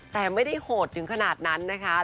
แต่ไม่ได้โหดถึงขนาดนั้นนะคะ